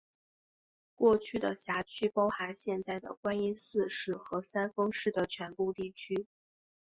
过去的辖区包含现在的观音寺市和三丰市的全部地区。